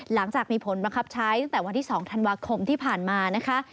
หลังจากมีผลบังคับใช้ตั้งแต่วันที่๒ธันวาคมที่ผ่านมานะคะ